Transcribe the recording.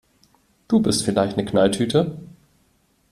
Du bist vielleicht eine Knalltüte!